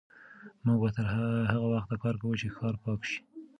موږ به تر هغه وخته کار کوو چې ښار پاک شي.